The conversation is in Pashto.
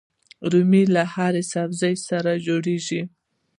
رومیان له هرې سبزي سره جوړيږي